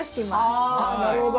あなるほど。